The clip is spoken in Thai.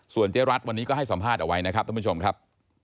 เจ๊รัฐวันนี้ก็ให้สัมภาษณ์เอาไว้นะครับท่านผู้ชมครับ